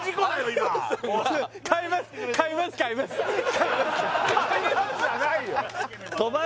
今「買います」じゃないよ